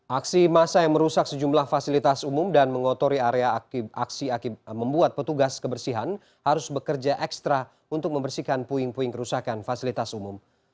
aksi masa yang merusak sejumlah fasilitas umum dan mengotori area aksi membuat petugas kebersihan harus bekerja ekstra untuk membersihkan puing puing kerusakan fasilitas umum